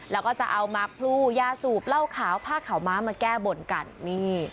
แล้วก็จะเอามาร์คพลูยาสูบเหล้าขาวผ้าขาวม้ามาแก้บนกันนี่